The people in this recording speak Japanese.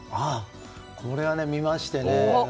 これは見ましてね。